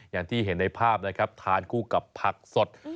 อย่างที่เห็นในภาพนะครับทานคู่กับผักสด